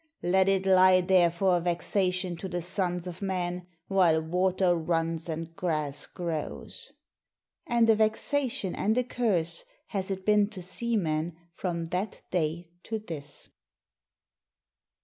'Let it lie there for a vexation to the sons of men while water runs and grass grows!' And a vexation and a curse has it been to seamen from that day to this.